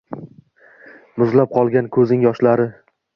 muzlab qolgan koʼzing yoshlari